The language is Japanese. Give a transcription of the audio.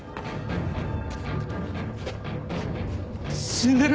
死んでる。